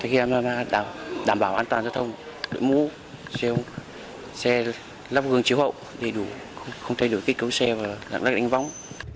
thì khi đảm bảo an toàn giao thông đội mũ xe lắp gương chiếu hậu đầy đủ không thay đổi tích cấu xe và lãng đắc đánh vóng